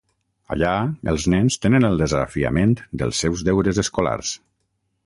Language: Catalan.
Allà, els nens tenen el desafiament dels seus deures escolars.